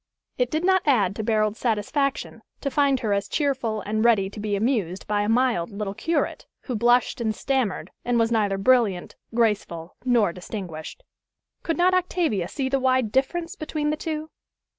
It did not add to Barold's satisfaction to find her as cheerful and ready to be amused by a mild little curate, who blushed and stammered, and was neither brilliant, graceful, nor distinguished. Could not Octavia see the wide difference between the two?